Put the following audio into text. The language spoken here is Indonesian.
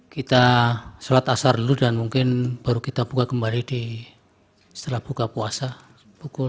kita sholat asar dulu dan mungkin baru kita buka kembali di setelah buka puasa pukul